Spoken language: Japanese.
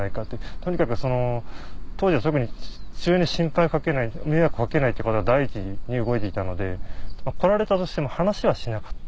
とにかく当時は特に父親に心配を掛けない迷惑を掛けないってことを第一に動いていたので来られたとしても話はしなかった。